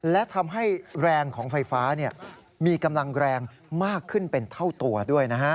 และทำให้แรงของไฟฟ้ามีกำลังแรงมากขึ้นเป็นเท่าตัวด้วยนะฮะ